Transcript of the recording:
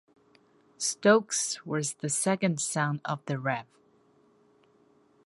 Stokes was the second son of the Rev.